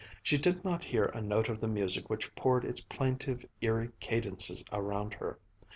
She did not hear a note of the music which poured its plaintive, eerie cadences around her.